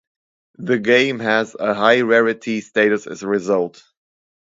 The game has a high rarity status as a result.